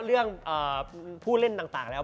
เรื่องผู้เล่นต่างแล้ว